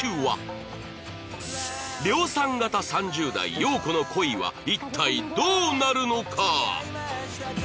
量産型３０代洋子の恋は一体どうなるのか？